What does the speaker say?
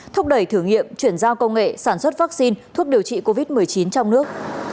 thúc đẩy thử nghiệm chuyển giao công nghệ sản xuất vaccine thuốc điều trị covid một mươi chín trong nước